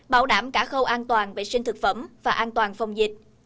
bảo đảm cả khâu an toàn vệ sinh thực phẩm và an toàn phòng dịch